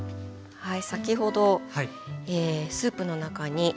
はい。